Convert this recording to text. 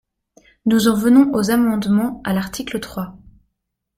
Nous en venons aux amendements à l’article trois.